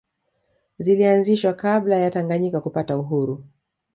Zilianzishwa kabla ya Tanganyika kupata uhuru